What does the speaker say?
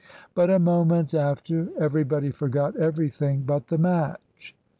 But a moment after, everybody forgot everything but the match.